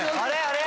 あれ？